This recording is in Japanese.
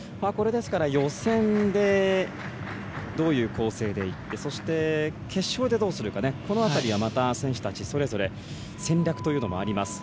予選でどういう構成かそして決勝でどうするかこの辺りは選手たちそれぞれ戦略というのもあります。